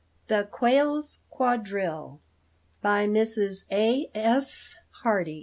_ THE QUAILS' QUADRILLE. BY MRS. A. S. HARDY.